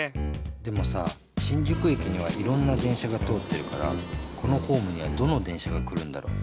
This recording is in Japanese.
でもさ新宿えきにはいろんなでんしゃがとおってるからこのホームにはどのでんしゃがくるんだろ？